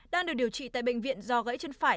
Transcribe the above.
đang được điều trị tại bệnh viện duyên